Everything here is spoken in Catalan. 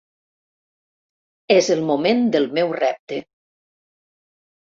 És el moment del meu repte.